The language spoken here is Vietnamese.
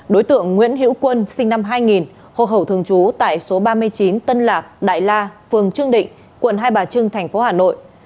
đối tượng nguyễn hiễu quân sinh năm hai nghìn hộ khẩu thường trú tại số ba mươi chín tân lạc đại la phường trương định quận hai bà trưng thành phố hà nội